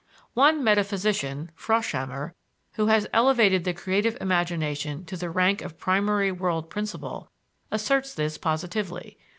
One metaphysician, Froschammer, who has elevated the creative imagination to the rank of primary world principle, asserts this positively.